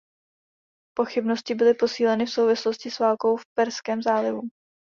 Pochybnosti byly posíleny v souvislosti s válkou v Perském zálivu.